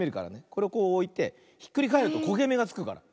これをこうおいてひっくりかえるとこげめがつくから。